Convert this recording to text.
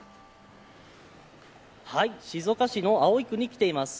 静岡市の葵区に来ています。